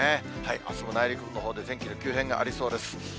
あすも内陸部のほうで天気の急変がありそうです。